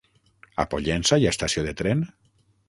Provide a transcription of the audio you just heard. A Pollença hi ha estació de tren?